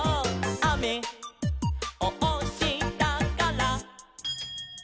「あめをおしたから」